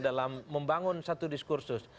dalam membangun satu diskursus